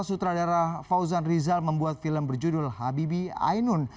sutradara fauzan rizal membuat film berjudul habibi ainun